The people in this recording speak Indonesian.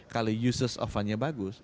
kalau user of fundnya bagus